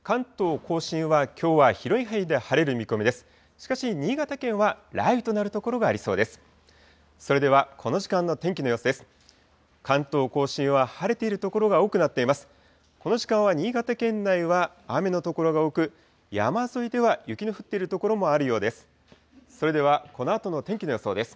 この時間は新潟県内は雨の所が多く、山沿いでは雪の降っている所もあるようです。